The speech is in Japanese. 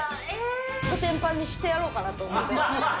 こてんぱんにしてやろうかなと思ってます。